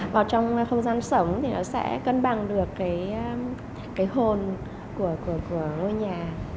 vào trong không gian sống thì nó sẽ cân bằng được cái hồn của ngôi nhà